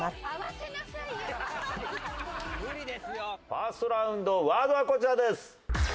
ファーストラウンドワードはこちらです。